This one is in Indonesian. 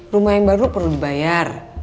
rumah yang baru perlu dibayar